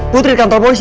putri kantor polisi